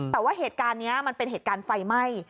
แต่ว่าเหตุการณ์นี้มันเป็นเหตุการณ์ไฟไหม้